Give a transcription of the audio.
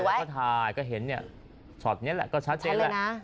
แล้วก็ถ่ายก็เห็นเนี้ยชอบเนี้ยแหละก็ชัดเจนแหละใช่เลยน่ะ